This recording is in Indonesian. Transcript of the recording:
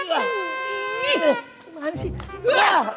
kau mana sih